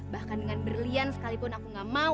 bahkan dengan berlian sekalipun aku gak mau